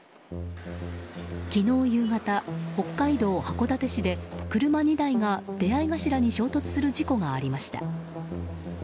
昨日夕方、北海道函館市で車２台が出合い頭に衝突する事故がありました。